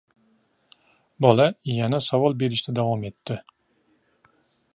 Bola yana savol berishda davom etdi: